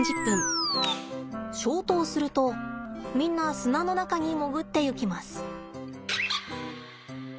消灯するとみんな砂の中に潜っていきます。